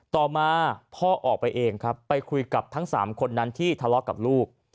ต่อมาพ่อออกไปเองครับไปคุยกับทั้ง๓คนนั้นที่ทะเลาะกับลูก